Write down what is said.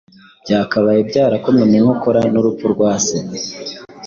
byakabaye byarakomwe mu nkokora n’urupfu rwa se